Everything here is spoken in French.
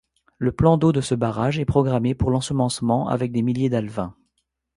Le plan d’eau de ce barrage est programmé pour l'ensemencement avec des milliers d'alevins.